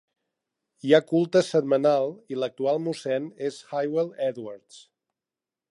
Hi ha culte setmanal i l'actual mossèn és Hywel Edwards.